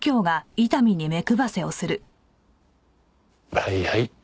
はいはい。